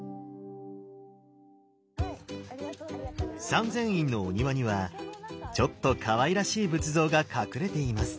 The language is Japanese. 三千院のお庭にはちょっとかわいらしい仏像が隠れています。